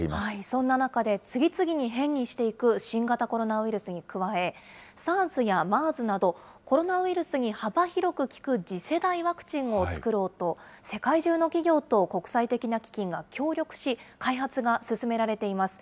そんな中で、次々に変異していく新型コロナウイルスに加え、ＳＡＲＳやＭＥＲＳなど、コロナウイルスに幅広く効く次世代ワクチンを作ろうと、世界中の企業と国際的な基金が協力し、開発が進められています。